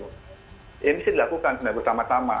ini bisa dilakukan sebenarnya bersama sama